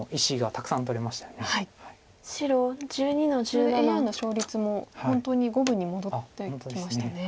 これでＡＩの勝率も本当に五分に戻ってきましたね。